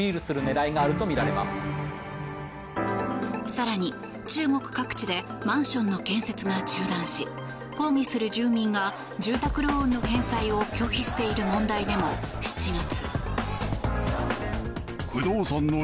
更に、中国各地でマンションの建設が中断し抗議する住民が住宅ローンの返済を拒否している問題でも、７月。